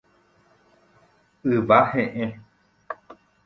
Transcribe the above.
Yva he'ẽ.